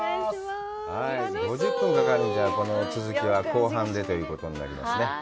５０分かかるんじゃ、この続きは後半でということになりますね。